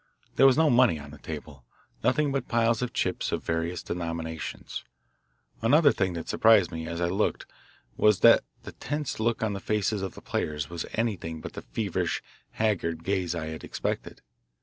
There was no money on the table, nothing but piles of chips of various denominations. Another thing that surprised me as I looked was that the tense look on the faces of the players was anything but the feverish, haggard gaze I had expected.